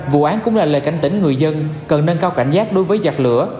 vụ án cũng là lời cảnh tỉnh người dân cần nâng cao cảnh giác đối với giặc lửa